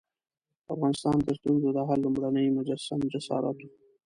د افغانستان د ستونزو د حل لومړنی مجسم جسارت وو.